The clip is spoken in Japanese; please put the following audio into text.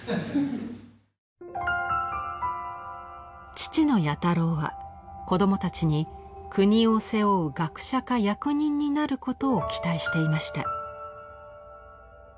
父の弥太郎は子どもたちに国を背負う学者か役人になることを期待していました。